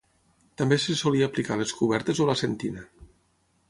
També se solia aplicar a les cobertes o la sentina.